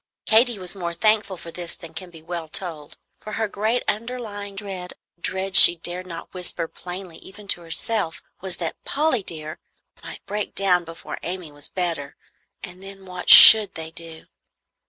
Katy was more thankful for this than can well be told; for her great underlying dread a dread she dared not whisper plainly even to herself was that "Polly dear" might break down before Amy was better, and then what should they do?